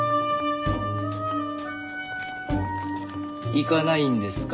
行かないんですか？